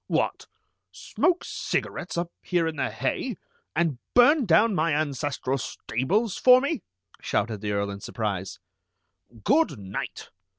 "What! Smoke cigarettes up here in the hay, and burn down my ancestral stables for me!" shouted the Earl in surprise. "Good night!